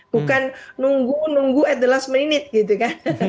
bukan nunggu nunggu at the last minute gitu kan